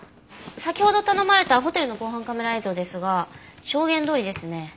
先ほど頼まれたホテルの防犯カメラ映像ですが証言どおりですね。